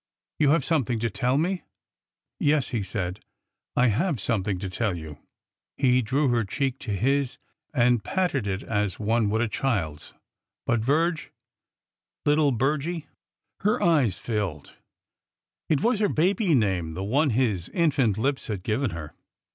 You have something to tell me? " ^^Yes," he said, "I have something to tell you," — he drew her cheek to his and patted it as one would a child's, —•''but, Virge,—' little Birgie,'— " 246 ORDER NO. 11 Her eyes filled. It was her baby name— the one his infant lips had given her.